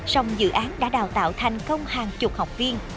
sông dự án đã đào tạo thành công hàng chục học viên